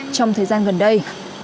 trong thời gian gần đây